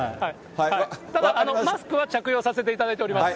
ただ、マスクは着用させていただいております。